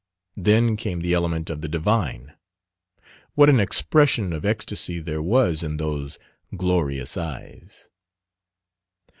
Then came the element of the divine. What an expression of ecstasy there was in those glorious eyes!